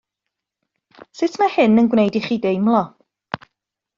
Sut mae hyn yn gwneud i chi deimlo?